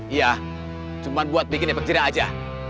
iya cuma buat bikin hebat jirah aja